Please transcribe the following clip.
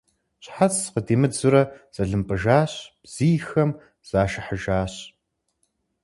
Щхьэц къыдимыдзурэ зэлымпӀыжащ, бзийхэм зашыхьыжащ.